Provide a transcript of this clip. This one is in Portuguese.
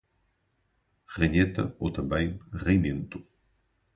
Ranheta, ou também, reinento